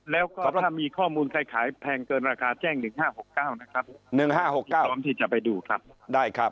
แล้วก็ถ้ามีข้อมูลใครขายแพงเกินราคาแจ้ง๑๕๖๙นะครับ